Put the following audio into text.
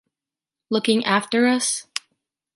Looking after us.